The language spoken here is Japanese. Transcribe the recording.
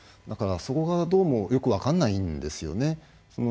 だからそこがどうもよく分からないんですね。